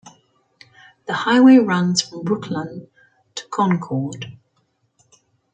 The highway runs from Brookline to Concord.